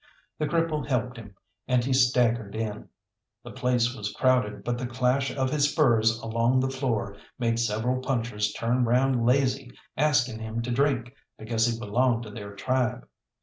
The cripple helped him, and he staggered in. The place was crowded, but the clash of his spurs along the floor made several punchers turn round lazy, asking him to drink, because he belonged to their tribe.